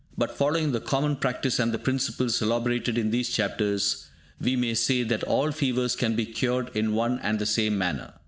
But, following the common practice and the principles elaborated in these chapters, we may say that all fevers can be cured in one and the same manner.